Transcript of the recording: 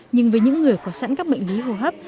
nhưng với những người có sẵn các bệnh lý hô hấp